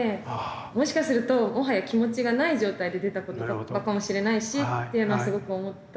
もしかするともはや気持ちがない状態で出た言葉だったのかもしれないしっていうのをすごく思ったので。